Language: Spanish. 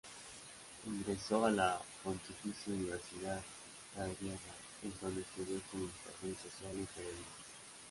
Ingresó a la Pontificia Universidad Javeriana, en donde estudió Comunicación Social y Periodismo.